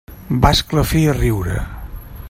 Va esclafir a riure.